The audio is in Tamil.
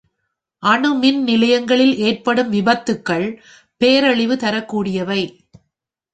அணு மின் நிலையங்களில் ஏற்படும் விபத்துக்கள் பேரழிவு தரக்கூடியவை.